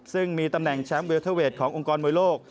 ซึ่งมีตำแหน่งแชมป์เวลเทอร์เวทขององค์กรมวยโลก